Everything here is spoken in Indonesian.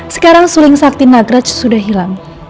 sekarang suling sakti nagrej sudah hilang